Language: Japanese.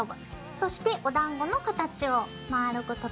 そしておだんごの形を丸く整えよう。